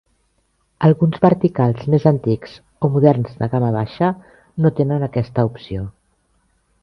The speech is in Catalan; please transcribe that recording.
Alguns verticals més antics, o moderns de gamma baixa, no tenen aquesta opció.